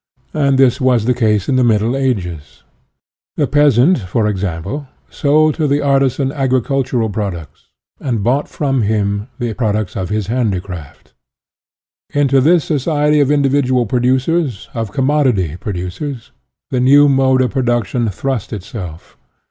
And this was the case in the Middle Ages. The peasant, e. g., sold to the artisan agri cultural products and bough* from him the products of handicraft. Into this society of individual producers, of commodity pro ducers, the new mode of production thrust itself.